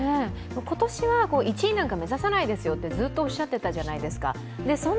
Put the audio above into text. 今年は１位なんか目指さないですとずっとおっしゃってたじゃないですか。